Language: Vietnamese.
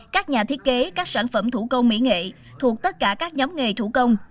các nhà thiết kế các sản phẩm thủ công mỹ nghệ thuộc tất cả các nhóm nghề thủ công